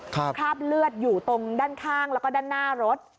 คราบเลือดอยู่ตรงด้านข้างแล้วก็ด้านหน้ารถ